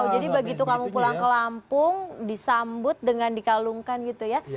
jadi begitu kamu pulang ke lampung disambut dengan dikalungkan gitu ya